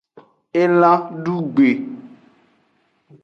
Elan dugbe.